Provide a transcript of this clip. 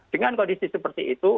dengan kondisi seperti itu